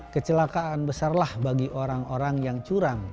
kecelakaan besarlah bagi orang orang yang curang